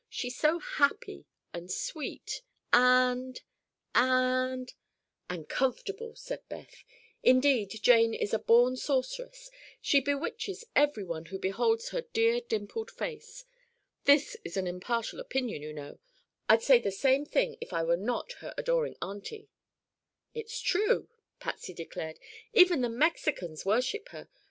She's so happy, and sweet, and—and—" "And comfortable," said Beth. "Indeed, Jane is a born sorceress; she bewitches everyone who beholds her dear dimpled face. This is an impartial opinion, you know; I'd say the same thing if I were not her adoring auntie." "It's true," Patsy declared. "Even the Mexicans worship her.